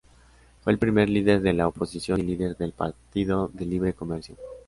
Fue el primer líder de la oposición y líder del Partido del Libre Comercio.